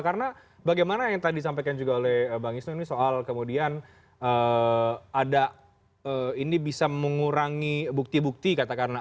karena bagaimana yang tadi disampaikan juga oleh bang isno ini soal kemudian ada ini bisa mengurangi bukti bukti katakanlah